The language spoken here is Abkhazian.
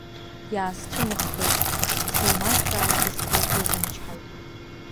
Иаасцәымӷхеит, сылмазҵааргьы сгәы иазымычҳаит.